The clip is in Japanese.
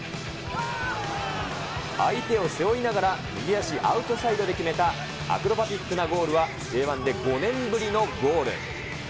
相手を背負いながら右足アウトサイドで決めたアクロバティックなゴールはＪ１で５年ぶりのゴール。